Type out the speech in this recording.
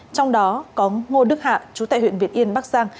trong đó có ngô đức hạ chú tại huyện việt yên bắc giang